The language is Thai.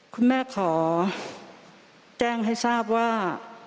คุณแม่ขอแจ้งให้ทราบว่า